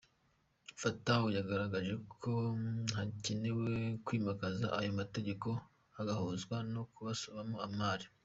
Fatou yagaragaje ko hakenewe kwimakaza aya mategeko agahuzwa no kubashoramo imari.